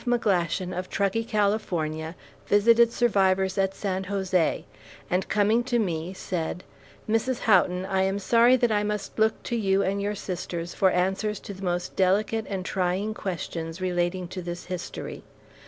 McGlashan, of Truckee, California, visited survivors at San Jose, and coming to me, said: "Mrs. Houghton, I am sorry that I must look to you and your sisters for answers to the most delicate and trying questions relating to this history.